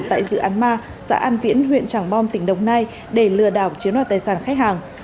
tại dự án ma xã an viễn huyện tràng bom tỉnh đồng nai để lừa đảo chiếm đoạt tài sản khách hàng